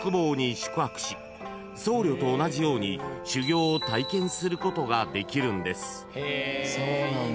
［僧侶と同じように修行を体験することができるんです］